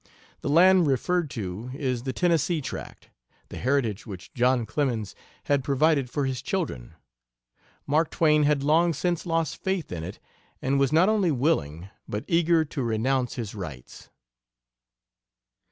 The "land" referred to is the Tennessee tract, the heritage which John Clemens had provided for his children. Mark Twain had long since lost faith in it, and was not only willing, but eager to renounce his rights.